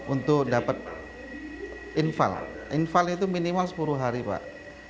untuk dapat infal infal itu minimal sepuluh hari pak